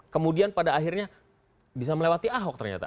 kemudian pada akhirnya bisa melewati ahok ternyata